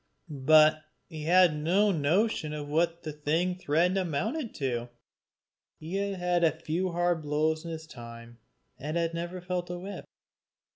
But he had no notion of what the thing threatened amounted to. He had had few hard blows in his time, and had never felt a whip.